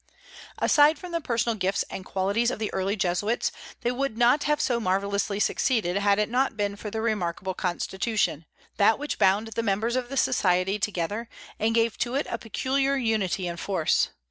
Aside from the personal gifts and qualities of the early Jesuits, they would not have so marvellously succeeded had it not been for their remarkable constitution, that which bound the members of the Society together, and gave to it a peculiar unity and force.